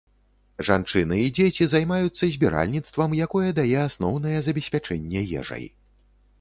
Жанчыны і дзеці займаюцца збіральніцтвам, якое дае асноўнае забеспячэнне ежай.